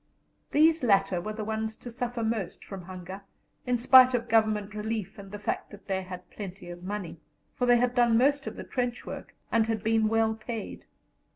These latter were the ones to suffer most from hunger, in spite of Government relief and the fact that they had plenty of money; for they had done most of the trench work, and had been well paid.